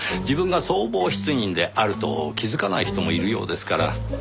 自分が相貌失認であると気づかない人もいるようですから。